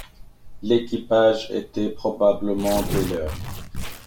L’équipage était probablement des leurs.